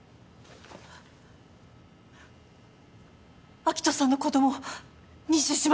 明人さんの子供を妊娠しました！